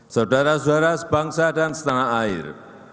saudara saudara sebangsa dan setanah air